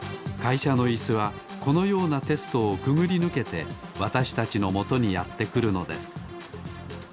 いしゃのイスはこのようなテストをくぐりぬけてわたしたちのもとにやってくるのです。